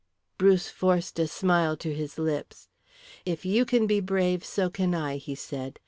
Bruce forced a smile to his lips. "If you can be brave so can I," he said.